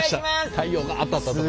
太陽が当たったとこでね。